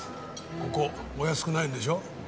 ここお安くないんでしょ？